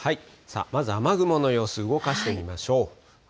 まず雨雲の様子、動かしてみましょう。